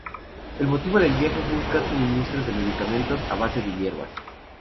El motivo del viaje fue buscar suministros de medicamentos a base de hierbas.